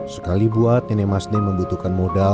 sekali buat nenek masne membutuhkan modal